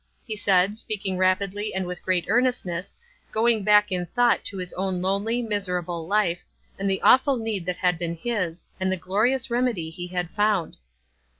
he said, speaking rapid ly and with great earnestness, going back in thought to his own lonelv, miserable life, and the awful need that had been his, and the glorious remedy he had found.